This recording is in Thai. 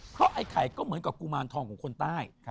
เพราะไอ้ไข่ก็เหมือนกับกุมารทองของคนใต้